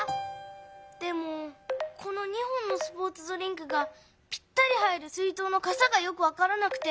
でもこの２本のスポーツドリンクがぴったり入る水とうのかさがよくわからなくて。